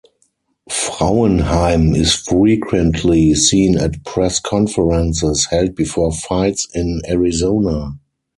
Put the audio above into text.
Frauenheim is frequently seen at press conferences held before fights in Arizona.